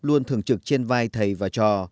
luôn thường trực trên vai thầy và trò